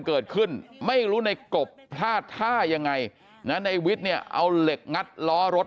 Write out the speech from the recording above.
เกิดขึ้นไม่รู้ในกบพลาดท่ายังไงนะในวิทย์เนี่ยเอาเหล็กงัดล้อรถ